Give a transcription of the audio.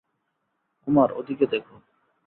কুমার, ওদিকে দেখ।